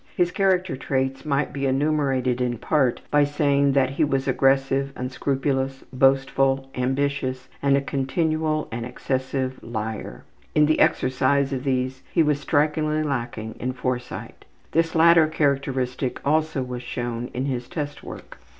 His character traits might be enumerated in part by saying that he was aggressive, unscrupulous, boastful, ambitious, and a continual and excessive liar. In the exercise of these he was strikingly lacking in foresight. This latter characteristic also was shown in his test work.